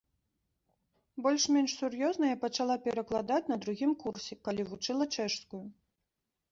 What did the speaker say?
Больш-менш сур'ёзна я пачала перакладаць на другім курсе, калі вучыла чэшскую.